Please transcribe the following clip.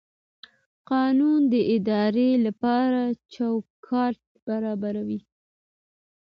قانون د ادارې لپاره چوکاټ برابروي.